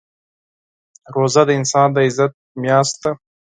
روژه د مسلمان د عزت میاشت ده.